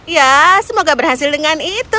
ya semoga berhasil dengan itu